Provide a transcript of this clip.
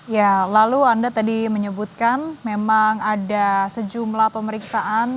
ya lalu anda tadi menyebutkan memang ada sejumlah pemeriksaan